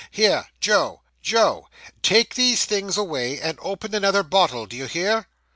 Here, Joe Joe take these things away, and open another bottle d'ye hear?